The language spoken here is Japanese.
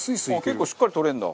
結構しっかり取れるんだ。